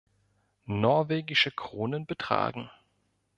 Norwegische Kronen betragen.